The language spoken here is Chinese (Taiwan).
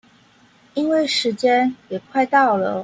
因為時間也快到了